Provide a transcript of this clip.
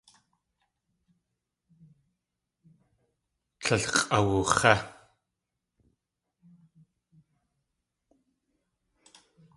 Tlél x̲ʼawux̲é.